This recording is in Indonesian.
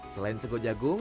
selain sego jagung